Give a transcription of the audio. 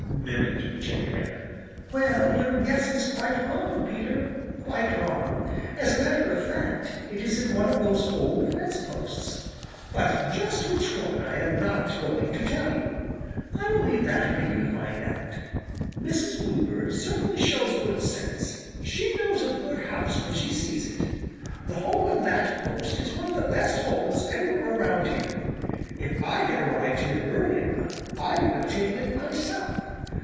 mimicked Jenny Wren. "Well, your guess is quite wrong, Peter; quite wrong. As a matter of fact, it is in one of those old fence posts. But just which one I am not going to tell you. I will leave that for you to find out. Mrs. Bluebird certainly shows good sense. She knows a good house when she sees it. The hole in that post is one of the best holes anywhere around here. If I had arrived here early enough I would have taken it myself.